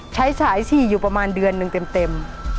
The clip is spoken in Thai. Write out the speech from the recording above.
ใช้สายฉี่อยู่ประมาณเดือนหนึ่งเต็ม